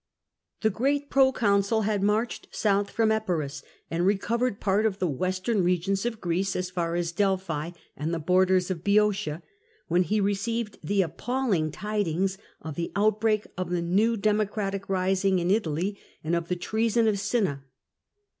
The great proconsul had marched south from Epirus and recovered part of the western regions of Greece, as far as Delphi and the borders of Boeotia, when he re ceived the appalling tidings of the outbreak of the new Democratic rising in Italy and of the treason of Cinna.